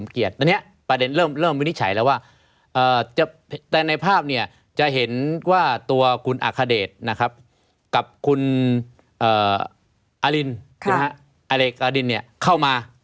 คาเดชนะครับกับคุณอารินอาเลกอารินเนี่ยเข้ามา